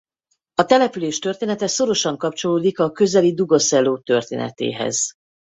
A település története szorosan kapcsolódik a közeli Dugo Selo történetéhez.